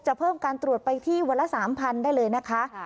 เพิ่มการตรวจไปที่วันละ๓๐๐ได้เลยนะคะ